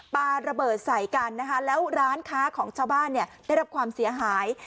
ปลาระเบิดใส่กันนะคะแล้วร้านค้าของชาวบ้านเนี่ยได้รับความเสียหาย